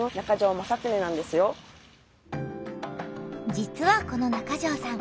実はこの中條さん